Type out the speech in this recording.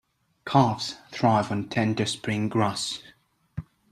Calves thrive on tender spring grass.